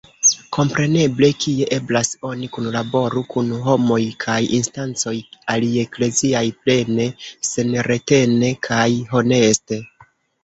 Kompreneble, kie eblas, oni kunlaboru kun homoj kaj instancoj aliekleziaj plene, senretene kaj honeste.